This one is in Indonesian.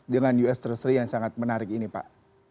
dengan us treasury yang sangat menarik ini pak